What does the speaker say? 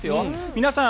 皆さん